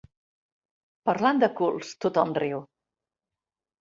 Parlant de culs, tothom riu.